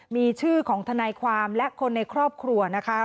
มีชื่อของทนายความและคนในครอบครัวนะคะ